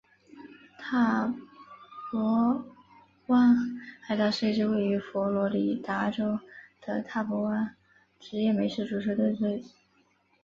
坦帕湾海盗是一支位于佛罗里达州的坦帕湾职业美式足球球队。